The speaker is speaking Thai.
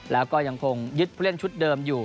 และก็ยังคงยึดเพื่อนชุดเดิมอยู่